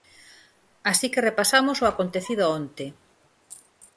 Así que repasamos o acontecido onte.